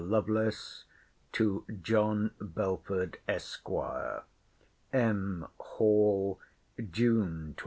LOVELACE, TO JOHN BELFORD, ESQ. M. HALL, JUNE 27.